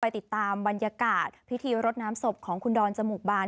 ติดตามบรรยากาศพิธีรดน้ำศพของคุณดอนจมูกบาน